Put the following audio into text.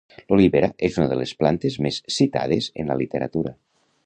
L'olivera és una de les plantes més citades en la literatura.